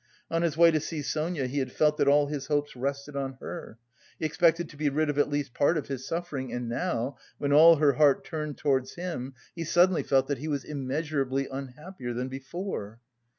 On his way to see Sonia he had felt that all his hopes rested on her; he expected to be rid of at least part of his suffering, and now, when all her heart turned towards him, he suddenly felt that he was immeasurably unhappier than before.